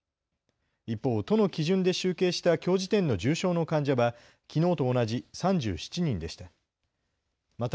一方、都の基準で集計したきょう時点の重症の患者は、きのうと同じ３７人でした。